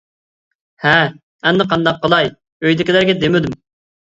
ھە، ئەمدى قانداق قىلاي؟ ئۆيدىكىلەرگە دېمىدىم.